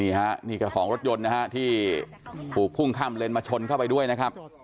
นี่ฮะนี่ก็ของรถยนต์นะฮะที่ถูกพุ่งข้ามเลนมาชนเข้าไปด้วยนะครับ